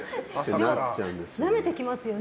なめてきますよね。